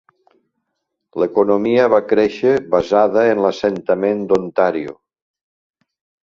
L'economia va créixer basada en l'assentament d'Ontario.